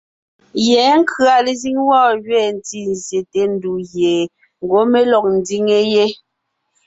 Yɛ̌ nkʉ̀a lezíŋ wɔ́ gẅiin ntí zsyète ndù gie ngwɔ́ mé lɔg ńdiŋe yé.